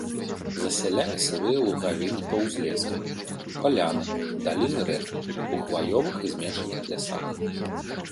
Засяляе сырыя лугавіны па ўзлесках, паляны, даліны рэк, у хваёвых і змешаных лясах.